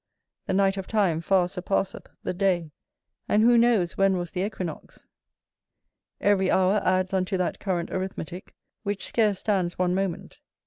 The night of time far surpasseth the day, and who knows when was the equinox? Every hour adds unto that current arithmetick, which scarce stands one moment.